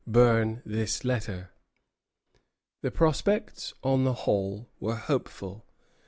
Burn this letter." The prospects, on the whole, were hopeful.